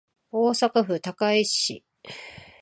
大阪府高石市